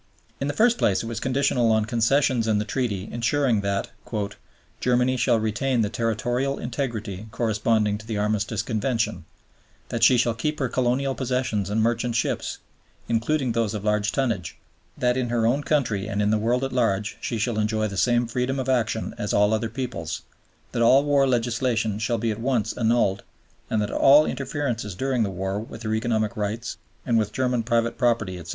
In the first place it was conditional on concessions in the Treaty insuring that "Germany shall retain the territorial integrity corresponding to the Armistice Convention, that she shall keep her colonial possessions and merchant ships, including those of large tonnage, that in her own country and in the world at large she shall enjoy the same freedom of action as all other peoples, that all war legislation shall be at once annulled, and that all interferences during the war with her economic rights and with German private property, etc.